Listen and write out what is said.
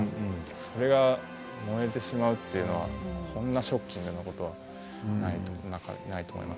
それが燃えてしまうというのはこんなショッキングなことはないと思います。